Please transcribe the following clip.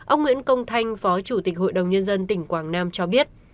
ông nguyễn công thanh phó chủ tịch hội đồng nhân dân tỉnh quảng nam cho biết